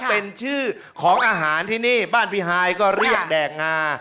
เป็นชื่อของอาหารที่นี่บ้านพี่ฮายก็เรียกแดกงา